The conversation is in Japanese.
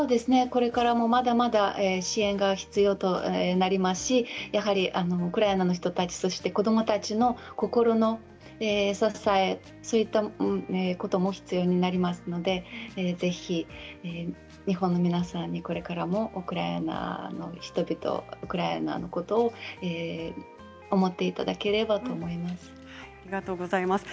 これからもまだまだ支援が必要となりますしウクライナの人たち子どもたちの心の支えそういったことも必要になりますのでぜひ日本の皆さんに、これからもウクライナの人々ウクライナのことを思っていただければと思います。